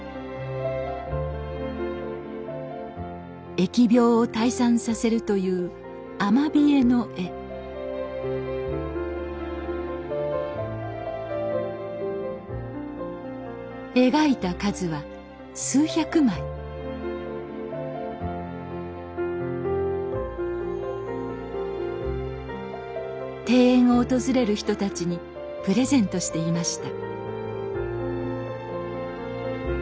疫病を退散させるというアマビエの絵描いた数は数百枚庭園を訪れる人たちにプレゼントしていました